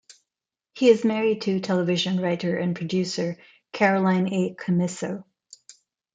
He is married to television writer and producer Caroline A. Commisso.